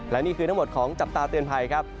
และนี่คือทั้งหมดของจับตาเตือนภัยครับ